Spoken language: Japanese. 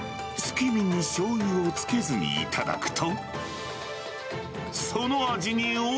すき身にしょうゆをつけずに頂くと。